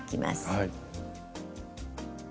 はい。